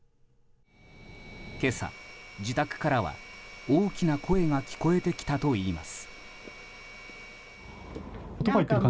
今朝、自宅からは大きな声が聞こえてきたといいます。